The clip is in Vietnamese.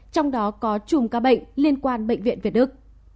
trong đó có chùm ca bệnh liên quan bệnh viện việt đức